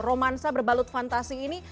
romansa berbalut fantasi ini